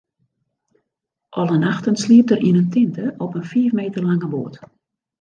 Alle nachten sliept er yn in tinte op in fiif meter lange boat.